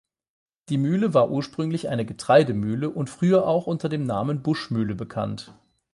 Die Mühle war ursprünglich eine Getreidemühle und früher auch unter dem Namen "Buschmühle" bekannt.